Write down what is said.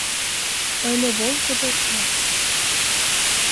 Ыле волгыдо кас